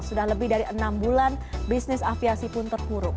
sudah lebih dari enam bulan bisnis aviasi pun terpuruk